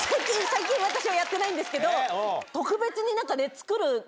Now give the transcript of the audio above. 最近私はやってないんですけど特別に何か作る。